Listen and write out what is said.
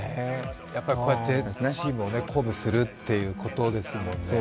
やっぱりこうやってチームを鼓舞するということですもんね。